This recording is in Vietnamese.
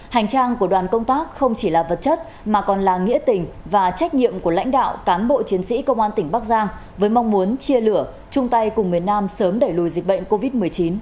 hành trang của đoàn công tác không chỉ là vật chất mà còn là nghĩa tình và trách nhiệm của lãnh đạo cán bộ chiến sĩ công an tỉnh bắc giang với mong muốn chia lửa chung tay cùng miền nam sớm đẩy lùi dịch bệnh covid một mươi chín